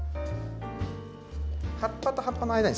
葉っぱと葉っぱの間に。